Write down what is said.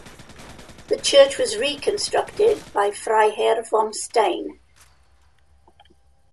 The church was reconstructed by Freiherr vom Stein.